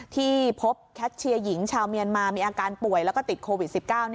ที่พบแคทเชียร์หญิงชาวเมียนมามีอาการป่วยแล้วก็ติดโควิด๑๙